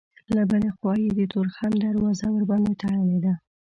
له بلې خوا یې د تورخم دروازه ورباندې تړلې ده.